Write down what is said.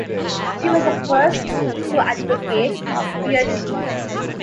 She was the first to advocate beard-shaving.